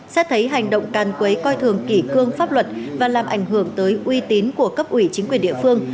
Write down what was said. xét thấy hành động càn quấy coi thường kỷ cương pháp luật và làm ảnh hưởng tới uy tín của cấp ủy chính quyền địa phương